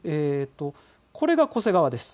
これが巨瀬川です。